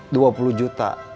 dua puluh juta